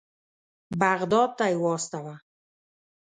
بغداد ته یې واستاوه.